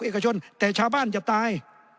เอกชนแต่ชาวบ้านจะตาย